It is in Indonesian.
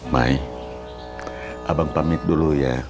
mai abang pamit dulu ya